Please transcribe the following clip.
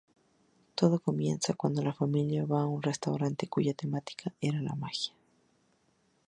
Todo comienza cuando la familia va a un restaurante cuya temática era la magia.